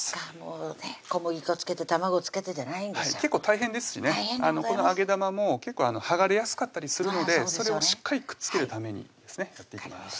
小麦粉付けて卵付けてじゃないんですよ結構大変ですしねこの揚げ玉も結構剥がれやすかったりするのでそれをしっかりくっつけるためにやっていきます